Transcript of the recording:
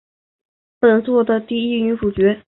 本作的第一女主角。